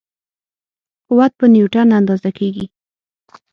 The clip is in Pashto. قوت په نیوټن اندازه کېږي.